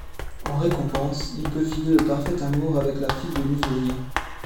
En récompense, il peut filer le parfait amour avec la fille de l'usurier.